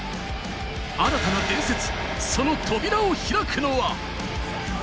新たな伝説、その扉を開くのは。